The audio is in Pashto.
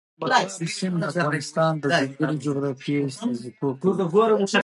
مورغاب سیند د افغانستان د ځانګړي جغرافیه استازیتوب کوي.